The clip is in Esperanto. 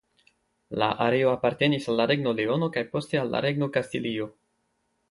La areo apartenis al la Regno Leono kaj poste al la Regno Kastilio.